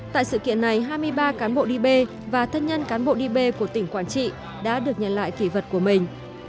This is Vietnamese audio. tại sự kiện này hai mươi ba cán bộ db và thân nhân cán bộ db của tỉnh quảng trị đã được nhận lại kỷ vật của mình